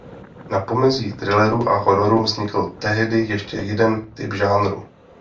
Na pomezí thrilleru a hororu vznikl tehdy ještě jeden typ žánru.